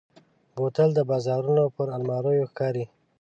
بوتل د بازارونو پر الماریو ښکاري.